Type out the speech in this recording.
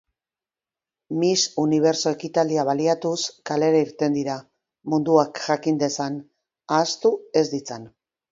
Miss Universo ekitaldia baliatuz, kalera irten dira, munduak jakin dezan, ahaztu ez ditzan.